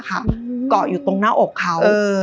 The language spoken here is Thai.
เกาะอยู่ตรงหน้าอกเขา